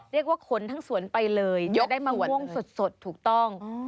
เรียกว่าขนทั้งสวนไปเลยจะได้มะม่วงสดถูกต้อง